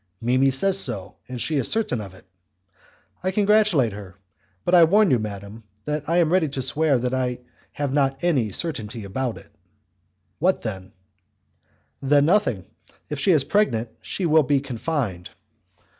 "Mimi says so, and she is certain of it." "I congratulate her; but I warn you, madam, that I am ready to swear that I have not any certainty about it." "What then?" "Then nothing. If she is pregnant, she will be confined."